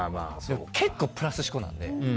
結構プラス思考なので。